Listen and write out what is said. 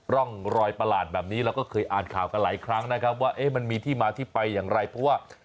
ร่องรอยประหลาดแบบนี้เราก็เคยอ่านข่าวกันหลายครั้งนะครับว่ามันมีที่มาที่ไปอย่างไรเพราะว่า